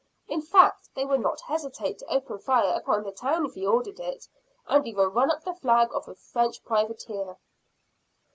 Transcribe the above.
In fact, they would not hesitate to open fire upon the town, if he ordered it and even run up the flag of a French privateer.